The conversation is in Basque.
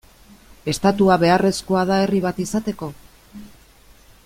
Estatua beharrezkoa da herri bat izateko?